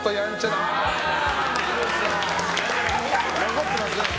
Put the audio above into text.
残ってますね。